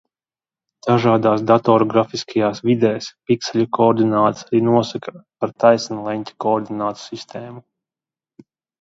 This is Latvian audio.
Dažādās datoru grafiskajās vidēs, pikseļu koordinātas arī nosaka ar taisnleņķa koordinātu sistēmu.